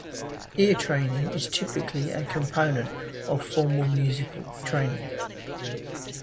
Ear training is typically a component of formal musical training.